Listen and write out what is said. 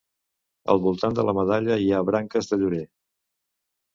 Al voltant de la medalla hi ha branques de llorer.